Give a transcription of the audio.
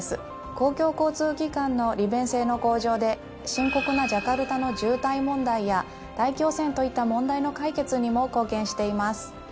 公共交通機関の利便性の向上で深刻なジャカルタの渋滞問題や大気汚染といった問題の解決にも貢献しています。